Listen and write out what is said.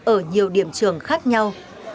ở nhiều điểm trường khác nhau